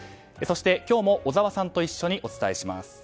そして、今日も小澤さんと一緒にお伝えします。